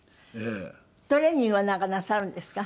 トレーニングは何かなさるんですか？